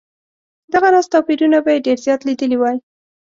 دغه راز توپیرونه به یې ډېر زیات لیدلي وای.